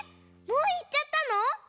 もういっちゃったの？